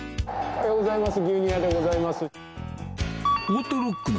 おはようございます。